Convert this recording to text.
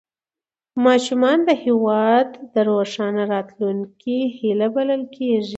ماشومان د هېواد د روښانه راتلونکي هیله بلل کېږي